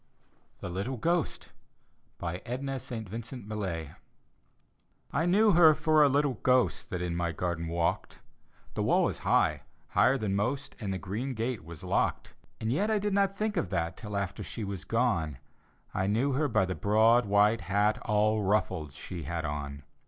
THE LITTLE GHOST : edna st. vincknt millay I knew her for a little ghost That in my garden walked; The wall is high — higher than most — And the green gate was locked. And yet I did not think of that Till after she was gone — I knew her by the broad white hat. All ruffled, she had on.